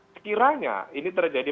sekiranya ini terjadi